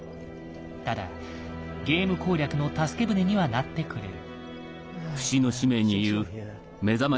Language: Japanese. ただゲーム攻略の助け船にはなってくれる。